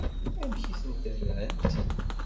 Amek i tent-rrant?